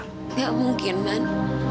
tidak mungkin man